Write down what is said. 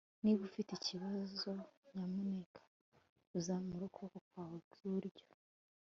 Niba ufite ikibazo nyamuneka uzamure ukuboko kwawe kwiburyo